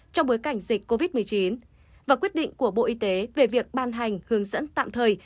trong bối cảnh dịch covid một mươi chín và quyết định của bộ y tế về việc ban hành hướng dẫn tạm thời